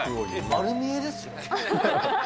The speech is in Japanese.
丸見えですよ。